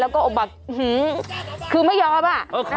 แล้วก็อบักหือคือไม่ยอมอ่ะ